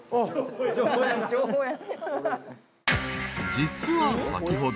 ［実は先ほど］